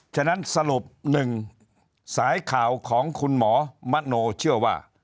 ฉะนั้นสรุป๑สายข่าวของคุณหมอมโนเชื่อว่า